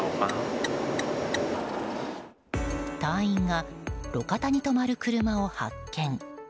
隊員が路肩に止まる車を発見。